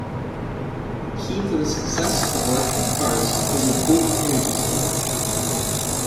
The key to the success of electric cars is improved energy storage.